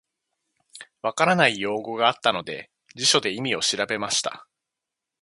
分からない用語があったので、辞書で意味を調べました。